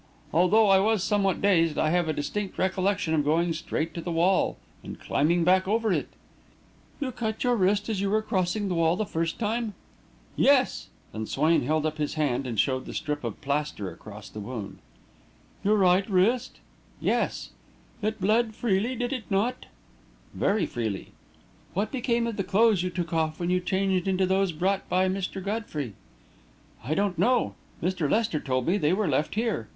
Although I was somewhat dazed, I have a distinct recollection of going straight to the wall and climbing back over it." "You cut your wrist as you were crossing the wall the first time?" [Illustration: "I'm lawyer enough to know," he said, "that a question like that is not permissible"] "Yes," and Swain held up his hand and showed the strip of plaster across the wound. "Your right wrist?" "Yes." "It bled freely, did it not?" "Very freely." "What became of the clothes you took off when you changed into those brought by Mr. Godfrey?" "I don't know. Mr. Lester told me they were left here.